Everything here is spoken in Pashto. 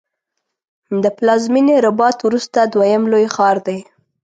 د پلازمېنې رباط وروسته دویم لوی ښار دی.